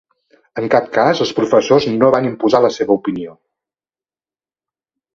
En cap cas els professors no van imposar la seva opinió.